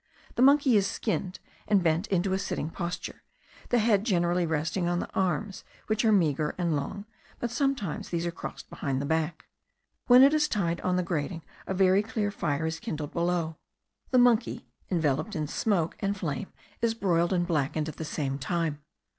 The monkey is skinned, and bent into a sitting posture; the head generally resting on the arms, which are meagre and long; but sometimes these are crossed behind the back. When it is tied on the grating, a very clear fire is kindled below. The monkey, enveloped in smoke and flame, is broiled and blackened at the same time.